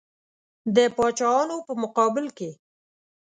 د پاچاهانو په مقابل کې.